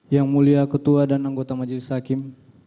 yang mulia ketua dan anggota majelis hakim